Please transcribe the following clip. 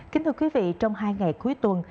kính thưa quý vị trong hai ngày cuối tuần